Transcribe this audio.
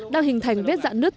đang hình thành vết dạ nứt